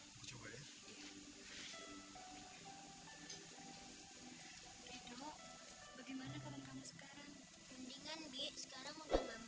bik dok bagaimana keadaan kamu sekarang